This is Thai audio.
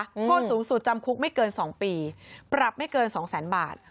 โทษสูงสุดจำคุกไม่เกิน๒ปีปรับไม่เกินสองแสนบาท